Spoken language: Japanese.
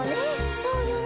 そうよね。